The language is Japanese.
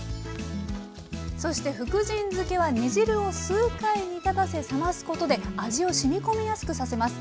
そして福神漬は煮汁を数回煮立たせ冷ますことで味をしみ込みやすくさせます。